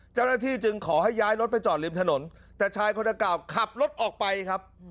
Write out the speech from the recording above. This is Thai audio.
เจ้าหน้าที่จึงขอให้ย้ายรถไปจอดริมถนนแต่ชายคนดังกล่าวขับรถออกไปครับ